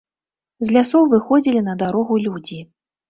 З лясоў выходзілі на дарогу людзі.